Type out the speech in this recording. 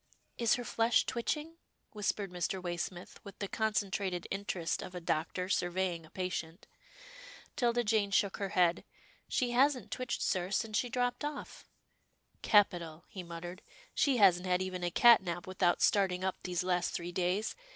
"Is her flesh twitching?" whispered Mr. Way smith, with the concentrated interest of a doctor sur veying a patient. 'Tilda Jane shook her head. " She hasn't twitched, sir, since she dropped off." " Capital," he muttered, " she hasn't had even a cat nap without starting up these last three days.